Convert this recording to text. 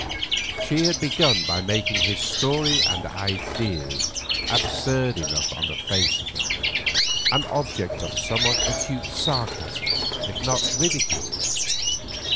She had begun by making his story and ideas, absurd enough on the face of them, an object of somewhat acute sarcasm, if not of ridicule.